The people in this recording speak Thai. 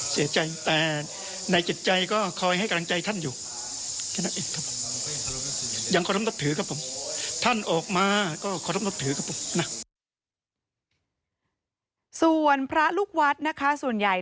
ส่วนพระลูกวัดนะคะส่วนใหญ่